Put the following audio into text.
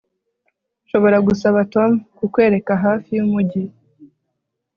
Nshobora gusaba Tom kukwereka hafi yumujyi